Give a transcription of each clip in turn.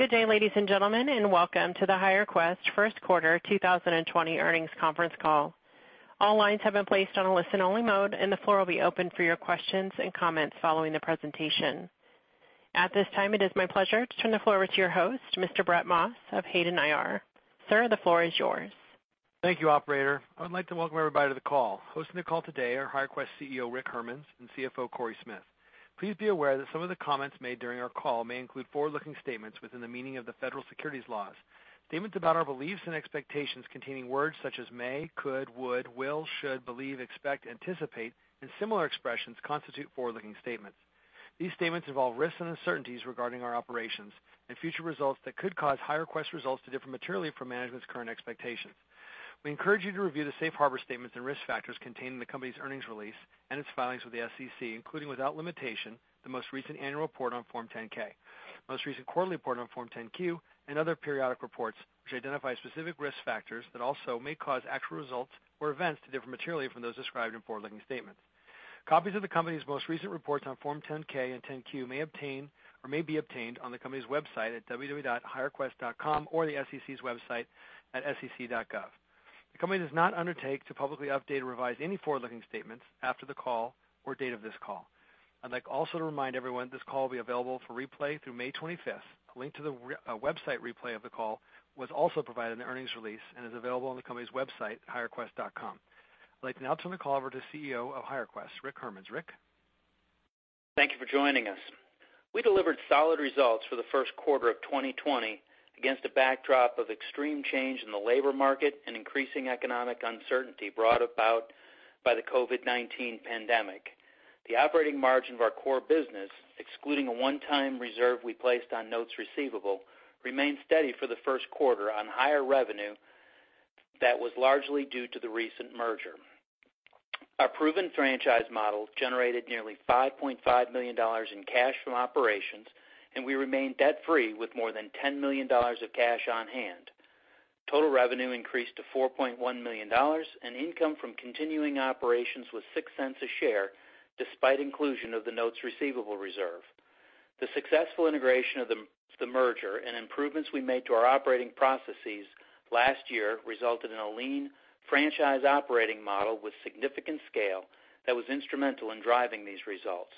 Good day, ladies and gentlemen, and welcome to the HireQuest Q1 2020 Earnings Conference Call. All lines have been placed on a listen-only mode, and the floor will be open for your questions and comments following the presentation. At this time, it is my pleasure to turn the floor over to your host, Mr. Brett Maas of Hayden IR. Sir, the floor is yours. Thank you, operator. I would like to welcome everybody to the call. Hosting the call today are HireQuest CEO, Rick Hermanns, and CFO, Cory Smith. Please be aware that some of the comments made during our call may include forward-looking statements within the meaning of the federal securities laws. Statements about our beliefs and expectations containing words such as may, could, would, will, should, believe, expect, anticipate, and similar expressions constitute forward-looking statements. These statements involve risks and uncertainties regarding our operations and future results that could cause HireQuest results to differ materially from management's current expectations. We encourage you to review the safe harbor statements and risk factors contained in the company's earnings release and its filings with the SEC, including without limitation, the most recent annual report on Form 10-K, most recent quarterly report on Form 10-Q, and other periodic reports, which identify specific risk factors that also may cause actual results or events to differ materially from those described in forward-looking statements. Copies of the company's most recent reports on Form 10-K and 10-Q may be obtained on the company's website at www.hirequest.com or the SEC's website at sec.gov. The company does not undertake to publicly update or revise any forward-looking statements after the call or date of this call. I'd like also to remind everyone this call will be available for replay through May 25th. A link to the website replay of the call was also provided in the earnings release and is available on the company's website, hirequest.com. I'd like to now turn the call over to CEO of HireQuest, Rick Hermanns. Rick? Thank you for joining us. We delivered solid results for the Q1 of 2020 against a backdrop of extreme change in the labor market and increasing economic uncertainty brought about by the COVID-19 pandemic. The operating margin of our core business, excluding a one-time reserve we placed on notes receivable, remained steady for the Q1 on higher revenue that was largely due to the recent merger. Our proven franchise model generated nearly $5.5 million in cash from operations, and we remain debt-free with more than $10 million of cash on hand. Total revenue increased to $4.1 million, and income from continuing operations was $0.06 a share, despite inclusion of the notes receivable reserve. The successful integration of the merger and improvements we made to our operating processes last year resulted in a lean franchise operating model with significant scale that was instrumental in driving these results.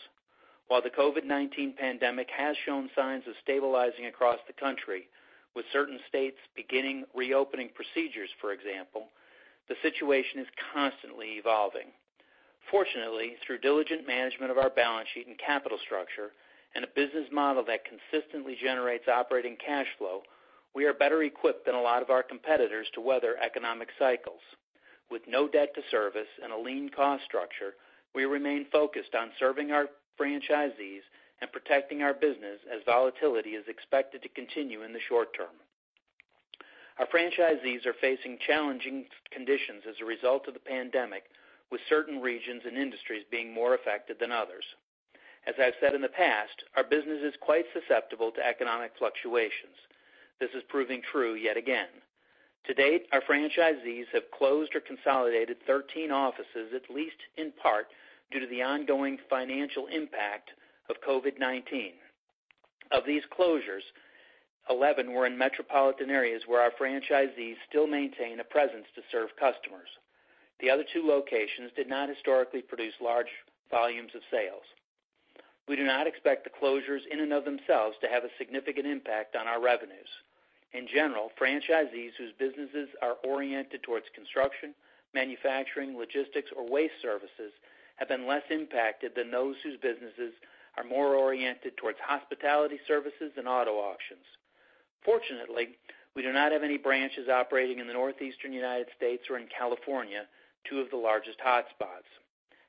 While the COVID-19 pandemic has shown signs of stabilizing across the country, with certain states beginning reopening procedures, for example, the situation is constantly evolving. Fortunately, through diligent management of our balance sheet and capital structure and a business model that consistently generates operating cash flow, we are better equipped than a lot of our competitors to weather economic cycles. With no debt to service and a lean cost structure, we remain focused on serving our franchisees and protecting our business as volatility is expected to continue in the short term. Our franchisees are facing challenging conditions as a result of the pandemic, with certain regions and industries being more affected than others. As I've said in the past, our business is quite susceptible to economic fluctuations. This is proving true yet again. To date, our franchisees have closed or consolidated 13 offices, at least in part, due to the ongoing financial impact of COVID-19. Of these closures, 11 were in metropolitan areas where our franchisees still maintain a presence to serve customers. The other two locations did not historically produce large volumes of sales. We do not expect the closures in and of themselves to have a significant impact on our revenues. In general, franchisees whose businesses are oriented towards construction, manufacturing, logistics, or waste services have been less impacted than those whose businesses are more oriented towards hospitality services and auto auctions. Fortunately, we do not have any branches operating in the Northeastern United States or in California, two of the largest hotspots.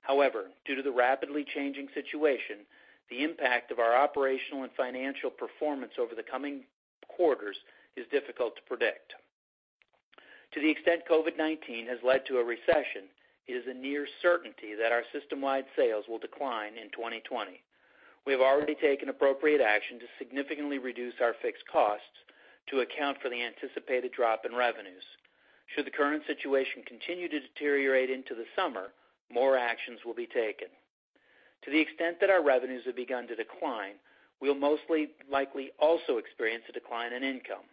However, due to the rapidly changing situation, the impact of our operational and financial performance over the coming quarters is difficult to predict. To the extent COVID-19 has led to a recession, it is a near certainty that our system-wide sales will decline in 2020. We have already taken appropriate action to significantly reduce our fixed costs to account for the anticipated drop in revenues. Should the current situation continue to deteriorate into the summer, more actions will be taken. To the extent that our revenues have begun to decline, we'll most likely also experience a decline in income.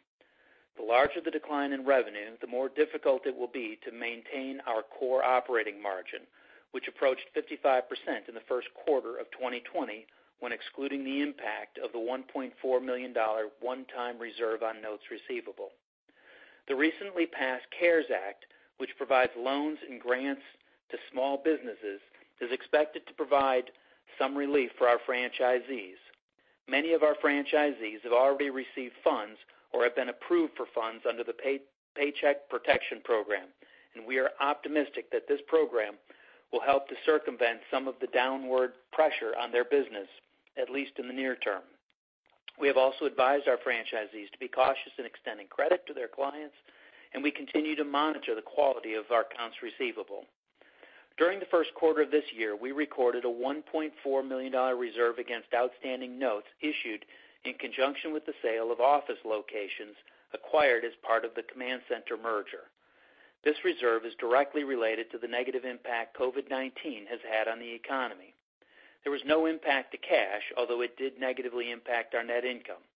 The larger the decline in revenue, the more difficult it will be to maintain our core operating margin, which approached 55% in the Q1 of 2020 when excluding the impact of the $1.4 million one-time reserve on notes receivable. The recently passed CARES Act, which provides loans and grants to small businesses, is expected to provide some relief for our franchisees. Many of our franchisees have already received funds or have been approved for funds under the Paycheck Protection Program. We are optimistic that this program will help to circumvent some of the downward pressure on their business, at least in the near term. We have also advised our franchisees to be cautious in extending credit to their clients. We continue to monitor the quality of our accounts receivable. During the Q1 of this year, we recorded a $1.4 million reserve against outstanding notes issued in conjunction with the sale of office locations acquired as part of the Command Center merger. This reserve is directly related to the negative impact COVID-19 has had on the economy. There was no impact to cash, although it did negatively impact our net income.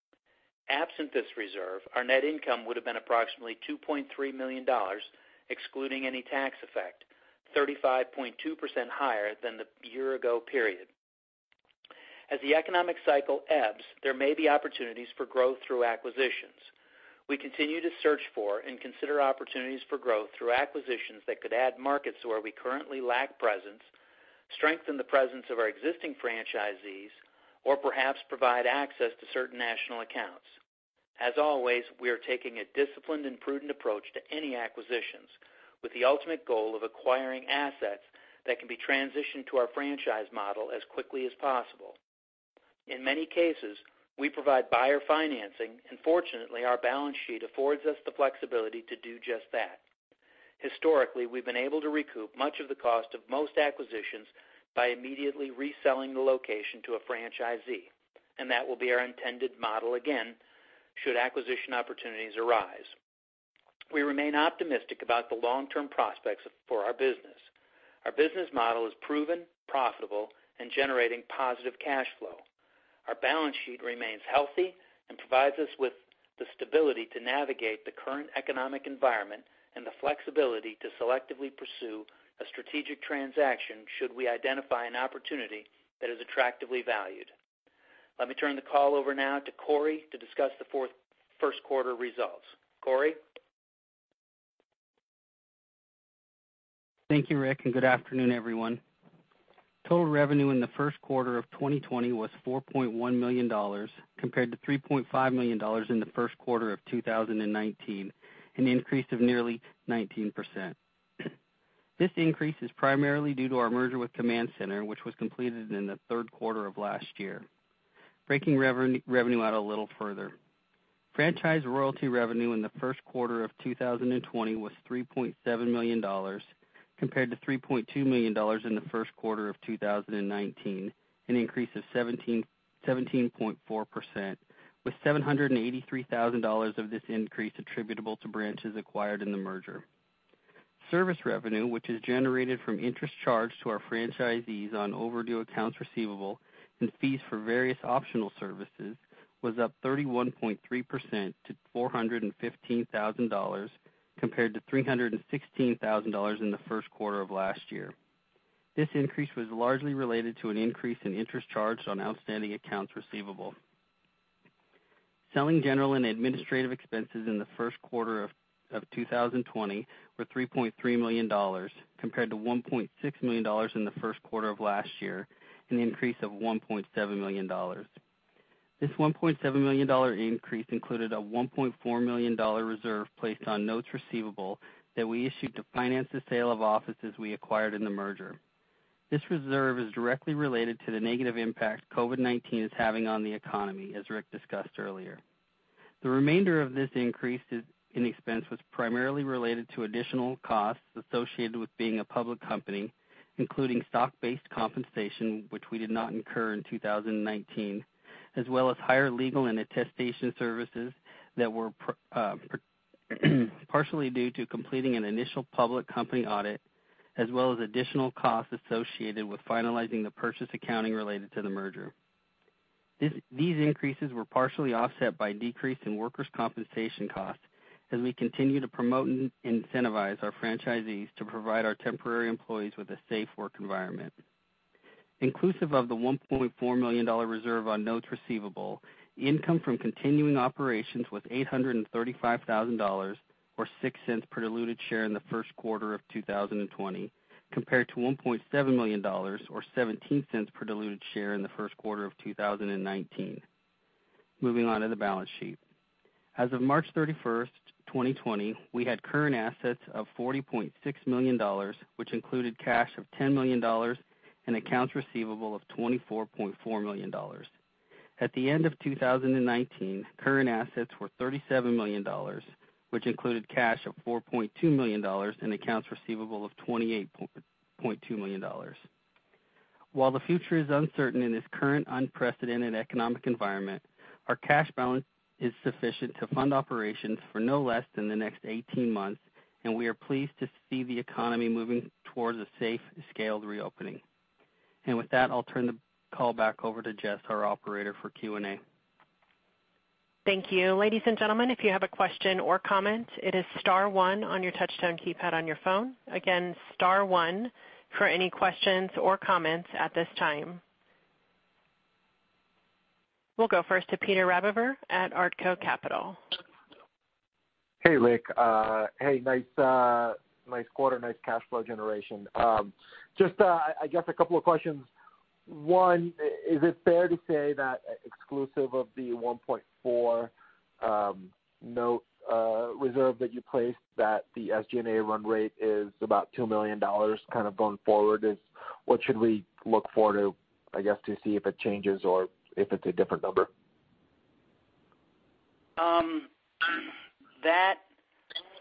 Absent this reserve, our net income would have been approximately $2.3 million, excluding any tax effect, 35.2% higher than the year-ago period. As the economic cycle ebbs, there may be opportunities for growth through acquisitions. We continue to search for and consider opportunities for growth through acquisitions that could add markets where we currently lack presence, strengthen the presence of our existing franchisees, or perhaps provide access to certain national accounts. As always, we are taking a disciplined and prudent approach to any acquisitions, with the ultimate goal of acquiring assets that can be transitioned to our franchise model as quickly as possible. In many cases, we provide buyer financing, and fortunately, our balance sheet affords us the flexibility to do just that. Historically, we've been able to recoup much of the cost of most acquisitions by immediately reselling the location to a franchisee, and that will be our intended model again, should acquisition opportunities arise. We remain optimistic about the long-term prospects for our business. Our business model is proven, profitable, and generating positive cash flow. Our balance sheet remains healthy and provides us with the stability to navigate the current economic environment and the flexibility to selectively pursue a strategic transaction should we identify an opportunity that is attractively valued. Let me turn the call over now to Cory to discuss the Q1 results. Cory? Thank you, Rick. Good afternoon, everyone. Total revenue in the Q1 of 2020 was $4.1 million, compared to $3.5 million in the Q1 of 2019, an increase of nearly 19%. This increase is primarily due to our merger with Command Center, which was completed in the Q3 of last year. Breaking revenue out a little further. Franchise royalty revenue in the Q1 of 2020 was $3.7 million, compared to $3.2 million in the Q1 of 2019, an increase of 17.4%, with $783,000 of this increase attributable to branches acquired in the merger. Service revenue, which is generated from interest charged to our franchisees on overdue accounts receivable and fees for various optional services, was up 31.3% to $415,000, compared to $316,000 in the Q1 of last year. This increase was largely related to an increase in interest charged on outstanding accounts receivable. Selling, general, and administrative expenses in the Q1 of 2020 were $3.3 million, compared to $1.6 million in the Q1 of last year, an increase of $1.7 million. This $1.7 million increase included a $1.4 million reserve placed on notes receivable that we issued to finance the sale of offices we acquired in the merger. This reserve is directly related to the negative impact COVID-19 is having on the economy, as Rick discussed earlier. The remainder of this increase in expense was primarily related to additional costs associated with being a public company, including stock-based compensation, which we did not incur in 2019, as well as higher legal and attestation services that were partially due to completing an initial public company audit, as well as additional costs associated with finalizing the purchase accounting related to the merger. These increases were partially offset by a decrease in workers' compensation costs as we continue to promote and incentivize our franchisees to provide our temporary employees with a safe work environment. Inclusive of the $1.4 million reserve on notes receivable, income from continuing operations was $835,000, or $0.06 per diluted share in the Q1 of 2020, compared to $1.7 million, or $0.17 per diluted share in the Q1 of 2019. Moving on to the balance sheet. As of March 31st, 2020, we had current assets of $40.6 million, which included cash of $10 million and accounts receivable of $24.4 million. At the end of 2019, current assets were $37 million, which included cash of $4.2 million and accounts receivable of $28.2 million. While the future is uncertain in this current unprecedented economic environment, our cash balance is sufficient to fund operations for no less than the next 18 months. We are pleased to see the economy moving towards a safe, scaled reopening. With that, I'll turn the call back over to Jess, our operator, for Q&A. Thank you. Ladies and gentlemen, if you have a question or comment, it is star one on your touch-tone keypad on your phone. Again, star one for any questions or comments at this time. We'll go first to Peter Rabover at Artko Capital. Hey, Rick. Hey, nice quarter. Nice cash flow generation. Just, I guess a couple of questions. One, is it fair to say that exclusive of the $1.4 note reserve that you placed, that the SG&A run rate is about $2 million kind of going forward? What should we look for, I guess, to see if it changes or if it's a different number?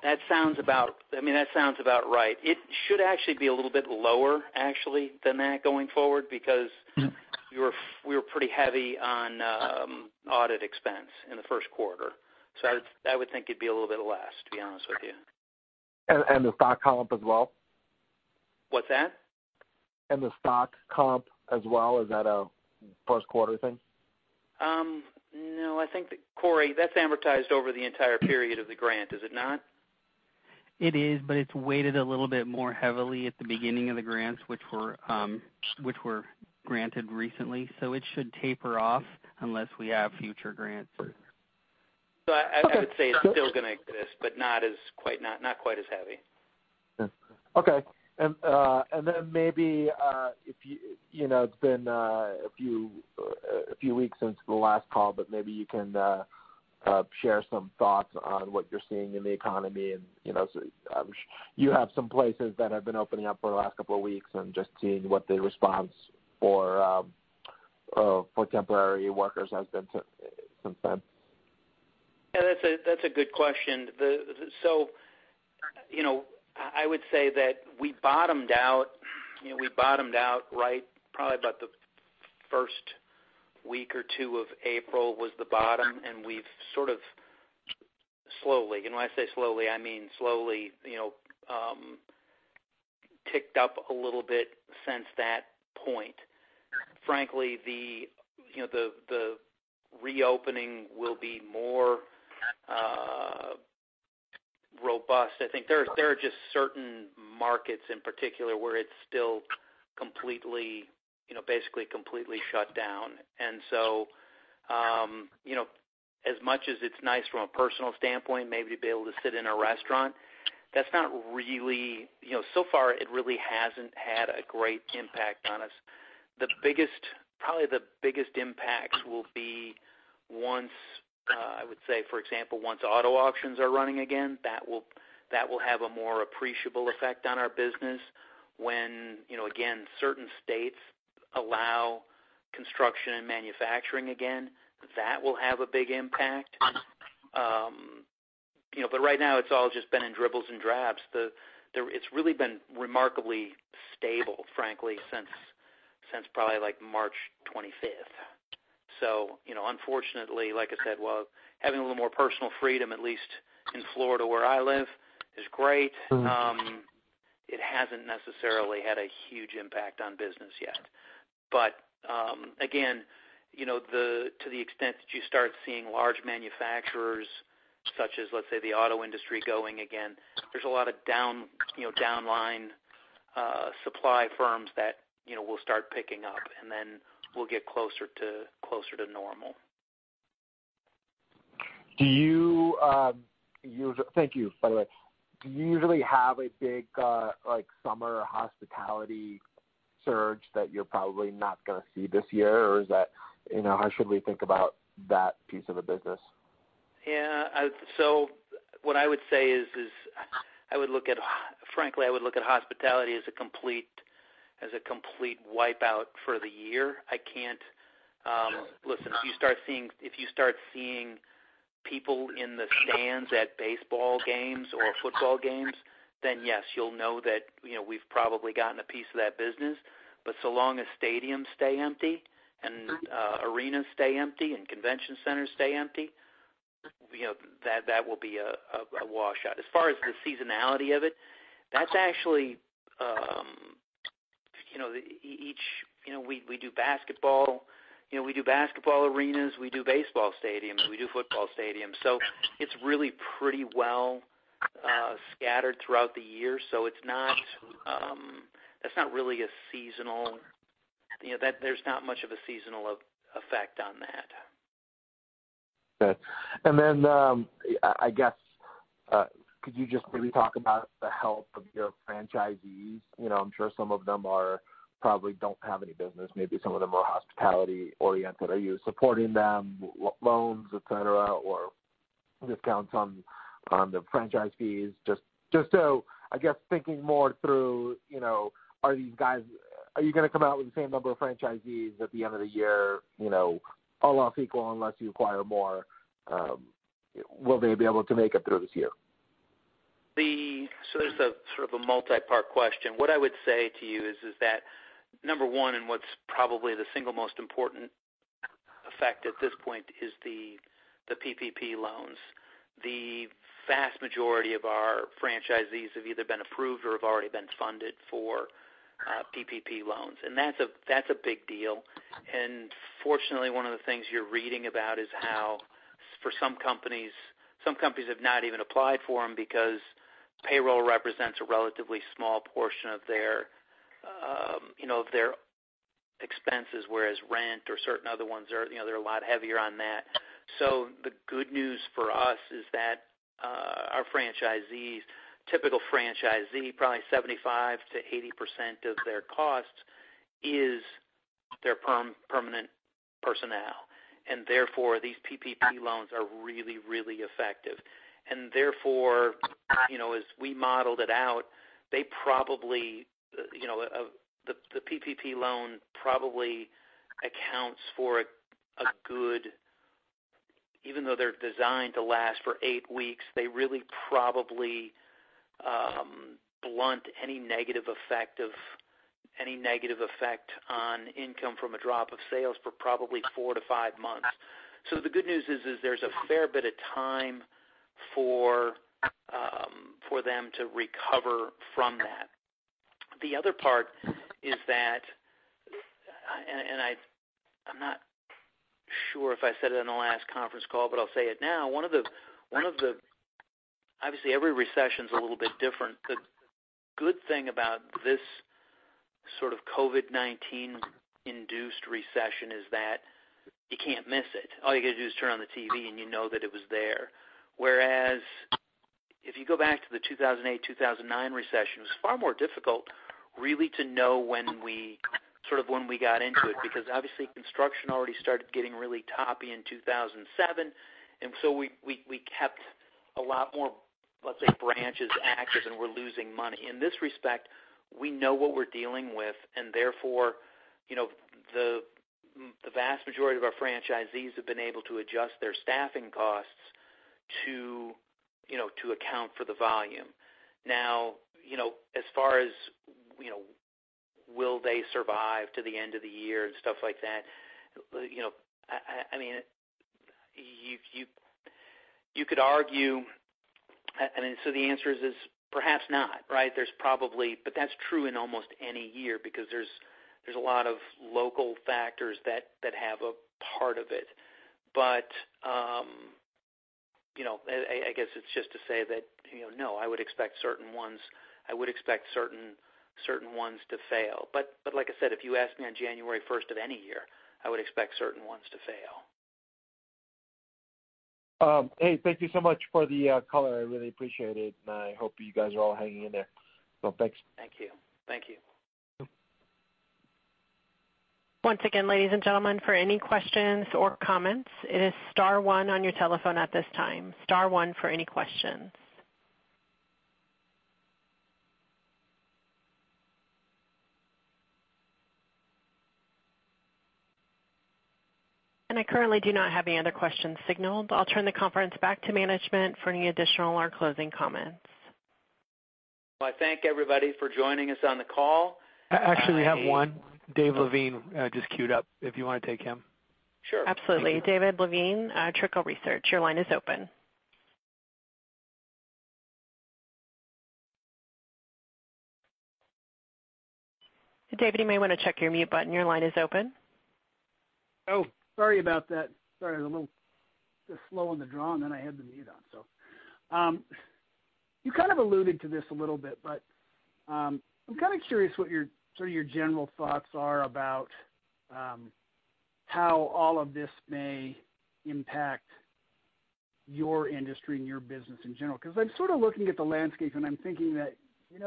That sounds about right. It should actually be a little bit lower, actually, than that going forward, because we were pretty heavy on audit expense in the Q1. I would think it'd be a little bit less, to be honest with you. The stock comp as well? What's that? The stock comp as well, is that a Q1 thing? No, I think that, Cory, that's amortized over the entire period of the grant. Is it not? It is, but it's weighted a little bit more heavily at the beginning of the grants which were granted recently. It should taper off unless we have future grants. Okay. I would say it's still going to exist, but not quite as heavy. Okay. Maybe, it's been a few weeks since the last call, but maybe you can share some thoughts on what you're seeing in the economy, and you have some places that have been opening up for the last couple of weeks. I'm just seeing what the response for temporary workers has been since then. Yeah, that's a good question. I would say that we bottomed out right, probably about the first week or two of April was the bottom, and we've sort of slowly, and when I say slowly, I mean slowly, ticked up a little bit since that point. Frankly, the reopening will be more robust. I think there are just certain markets in particular where it's still basically completely shut down. As much as it's nice from a personal standpoint, maybe to be able to sit in a restaurant, so far it really hasn't had a great impact on us. Probably the biggest impacts will be once, I would say, for example, once auto auctions are running again, that will have a more appreciable effect on our business. When, again, certain states allow construction and manufacturing again, that will have a big impact. Right now, it's all just been in dribbles and drabs. It's really been remarkably stable, frankly, since probably March 25th. Unfortunately, like I said, while having a little more personal freedom, at least in Florida where I live, is great. It hasn't necessarily had a huge impact on business yet. Again, to the extent that you start seeing large manufacturers, such as, let's say, the auto industry going again, there's a lot of downline supply firms that will start picking up, we'll get closer to normal. Thank you, by the way. Do you usually have a big summer hospitality surge that you're probably not going to see this year? How should we think about that piece of the business? Yeah. What I would say is, frankly, I would look at hospitality as a complete wipe out for the year. Listen, if you start seeing people in the stands at baseball games or football games, then yes, you'll know that we've probably gotten a piece of that business. So long as stadiums stay empty and arenas stay empty and convention centers stay empty, that will be a washout. As far as the seasonality of it, we do basketball arenas, we do baseball stadiums, we do football stadiums. It's really pretty well scattered throughout the year, so it's not really a seasonal. There's not much of a seasonal effect on that. Okay. I guess, could you just maybe talk about the health of your franchisees? I'm sure some of them probably don't have any business. Maybe some of them are hospitality oriented. Are you supporting them, loans, et cetera, or discounts on the franchise fees? I guess thinking more through, are you going to come out with the same number of franchisees at the end of the year? All else equal, unless you acquire more, will they be able to make it through this year? There's a sort of a multi-part question. What I would say to you is that number one, and what's probably the single most important effect at this point is the PPP loans. The vast majority of our franchisees have either been approved or have already been funded for PPP loans. That's a big deal. Fortunately, one of the things you're reading about is how for some companies have not even applied for them because payroll represents a relatively small portion of their expenses, whereas rent or certain other ones, they're a lot heavier on that. The good news for us is that our franchisees, typical franchisee, probably 75%-80% of their costs is their permanent personnel. Therefore, these PPP loans are really, really effective. Therefore, as we modeled it out, even though they're designed to last for eight weeks, they really probably blunt any negative effect on income from a drop of sales for probably four to five months. The good news is there's a fair bit of time for them to recover from that. The other part is that, and I'm not sure if I said it on the last conference call, but I'll say it now. Obviously, every recession's a little bit different. The good thing about this sort of COVID-19-induced recession is that you can't miss it. All you got to do is turn on the TV, and you know that it was there. If you go back to the 2008, 2009 recession, it was far more difficult, really, to know when we got into it, because obviously construction already started getting really toppy in 2007. We kept a lot more, let's say, branches active than were losing money. In this respect, we know what we're dealing with, and therefore, the vast majority of our franchisees have been able to adjust their staffing costs to account for the volume. Now, as far as will they survive to the end of the year and stuff like that, you could argue, the answer is perhaps not, right? That's true in almost any year because there's a lot of local factors that have a part of it. I guess it's just to say that, no, I would expect certain ones to fail. Like I said, if you ask me on January 1st of any year, I would expect certain ones to fail. Hey, thank you so much for the color. I really appreciate it, and I hope you guys are all hanging in there. Thanks. Thank you. Thank you. Once again, ladies and gentlemen, for any questions or comments, it is star one on your telephone at this time. Star one for any questions. I currently do not have any other questions signaled. I'll turn the conference back to management for any additional or closing comments. Well, I thank everybody for joining us on the call. Actually, we have one. Dave Lavigne just queued up, if you want to take him. Sure. Absolutely. Dave Lavigne, Trickle Research, your line is open. Dave, you may want to check your mute button. Your line is open. Oh, sorry about that. Sorry, I was a little slow on the draw, and then I had the mute on. You kind of alluded to this a little bit, but I'm kind of curious what your general thoughts are about how all of this may impact your industry and your business in general. I'm sort of looking at the landscape, and I'm thinking that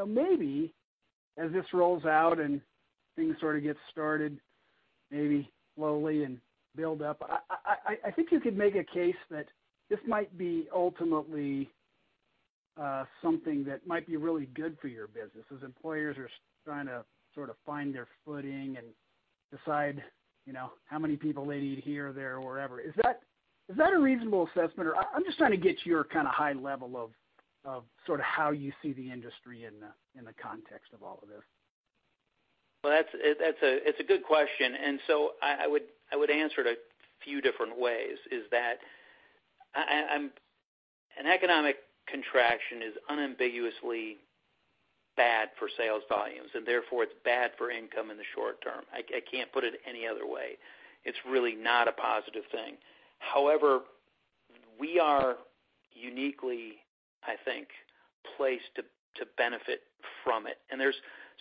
maybe as this rolls out and things sort of get started, maybe slowly and build up. I think you could make a case that this might be ultimately something that might be really good for your business, as employers are trying to sort of find their footing and decide how many people they need here or there or wherever. Is that a reasonable assessment? I'm just trying to get your kind of high level of sort of how you see the industry in the context of all of this. Well, it's a good question. I would answer it a few different ways, is that an economic contraction is unambiguously bad for sales volumes, and therefore it's bad for income in the short term. I can't put it any other way. It's really not a positive thing. However, we are uniquely, I think, placed to benefit from it.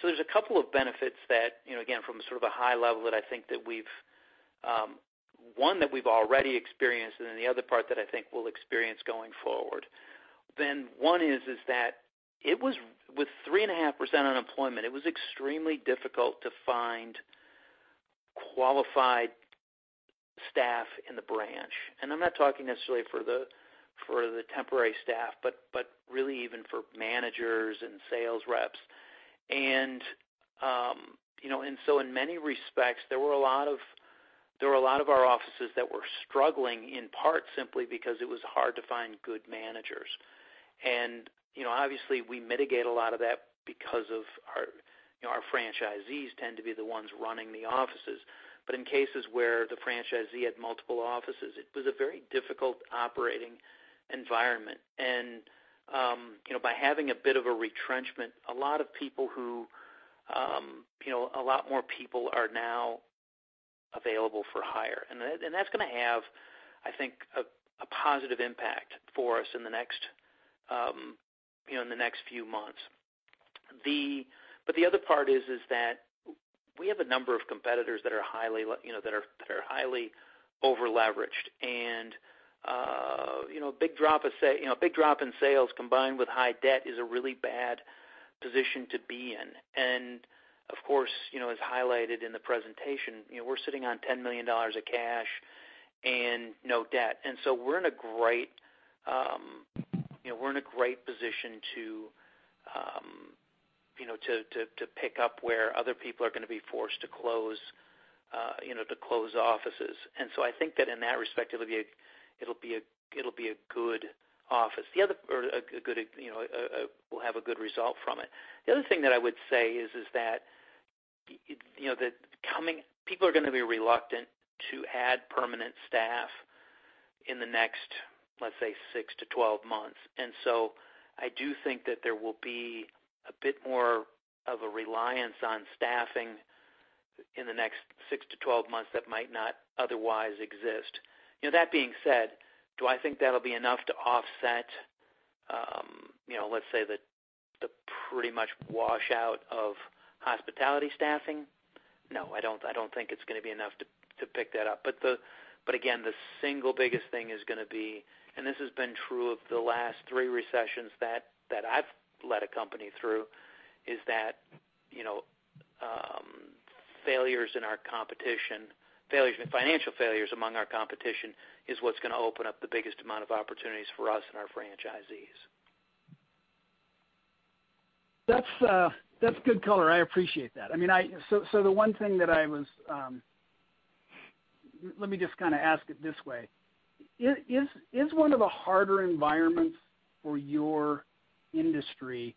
There's a couple of benefits that, again, from sort of a high level, one that we've already experienced. The other part that I think we'll experience going forward. One is that with 3.5% unemployment, it was extremely difficult to find qualified staff in the branch. I'm not talking necessarily for the temporary staff, but really even for managers and sales reps. In many respects, there were a lot of our offices that were struggling, in part, simply because it was hard to find good managers. And obviously we mitigate a lot of that because our franchisees tend to be the ones running the offices. In cases where the franchisee had multiple offices, it was a very difficult operating environment. By having a bit of a retrenchment, a lot more people are now available for hire. That's going to have, I think, a positive impact for us in the next few months. The other part is that we have a number of competitors that are highly over-leveraged. A big drop in sales combined with high debt is a really bad position to be in. Of course, as highlighted in the presentation, we're sitting on $10 million of cash and no debt. We're in a great position to pick up where other people are going to be forced to close offices. I think that in that respect, it'll be a good office. We'll have a good result from it. The other thing that I would say is that, people are going to be reluctant to add permanent staff in the next, let's say, six to 12 months. I do think that there will be a bit more of a reliance on staffing in the next six to 12 months that might not otherwise exist. That being said, do I think that'll be enough to offset, let's say, the pretty much wash out of hospitality staffing? No, I don't think it's going to be enough to pick that up. Again, the single biggest thing is going to be, and this has been true of the last three recessions that I've led a company through, is that failures in our competition, financial failures among our competition, is what's going to open up the biggest amount of opportunities for us and our franchisees. That's good color. I appreciate that. Let me just kind of ask it this way. Is one of the harder environments for your industry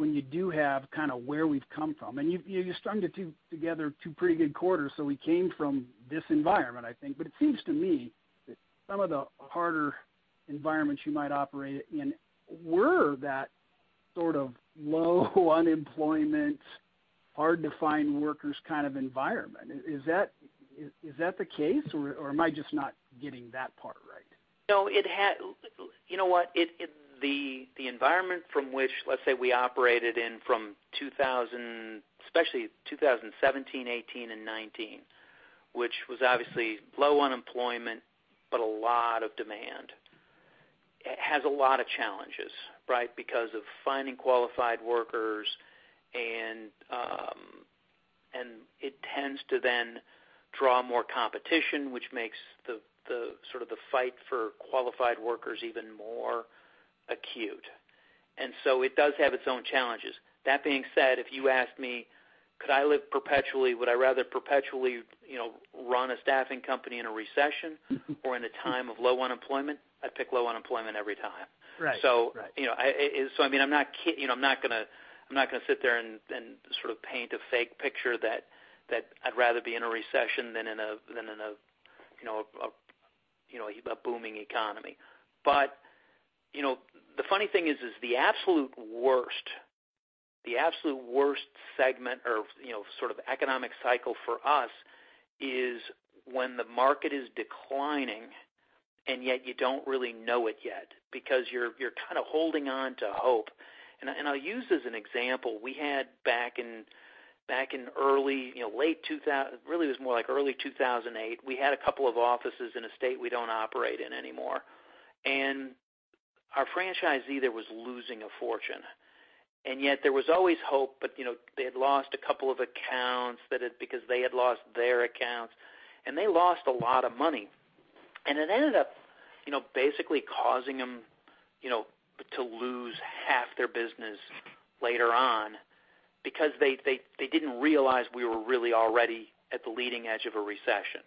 when you do have kind of where we've come from, and you strung together two pretty good quarters, so we came from this environment, I think. It seems to me that some of the harder environments you might operate in were that sort of low unemployment, hard-to-find workers kind of environment. Is that the case, or am I just not getting that part right? You know what? The environment from which, let's say, we operated in from 2000, especially 2017, '18, and '19, which was obviously low unemployment, but a lot of demand. It has a lot of challenges, right, because of finding qualified workers, and it tends to then draw more competition, which makes the fight for qualified workers even more acute. It does have its own challenges. That being said, if you asked me, could I live perpetually, would I rather perpetually run a staffing company in a recession or in a time of low unemployment, I'd pick low unemployment every time. Right. I'm not going to sit there and sort of paint a fake picture that I'd rather be in a recession than in a booming economy. The funny thing is the absolute worst segment or sort of economic cycle for us is when the market is declining, and yet you don't really know it yet because you're kind of holding on to hope. I'll use as an example, Really, it was more like early 2008. We had a couple of offices in a state we don't operate in anymore, and our franchisee there was losing a fortune. Yet there was always hope, but they had lost a couple of accounts because they had lost their accounts, and they lost a lot of money. It ended up basically causing them to lose half their business later on because they didn't realize we were really already at the leading edge of a recession.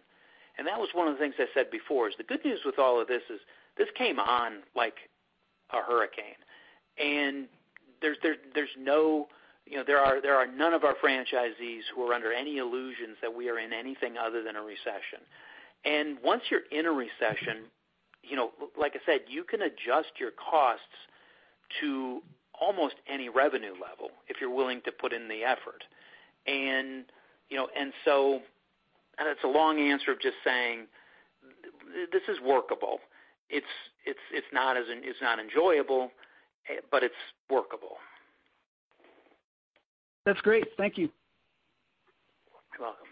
That was one of the things I said before, is the good news with all of this is, this came on like a hurricane, and there are none of our franchisees who are under any illusions that we are in anything other than a recession. Once you're in a recession, like I said, you can adjust your costs to almost any revenue level if you're willing to put in the effort. It's a long answer of just saying, this is workable. It's not enjoyable, but it's workable. That's great. Thank you. You're welcome.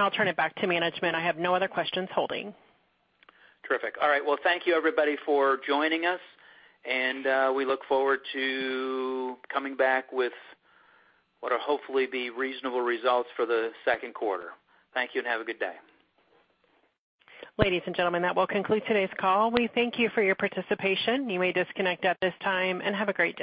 I'll turn it back to management. I have no other questions holding. Terrific. All right. Well, thank you everybody for joining us. We look forward to coming back with what will hopefully be reasonable results for the Q2. Thank you and have a good day. Ladies and gentlemen, that will conclude today's call. We thank you for your participation. You may disconnect at this time, and have a great day.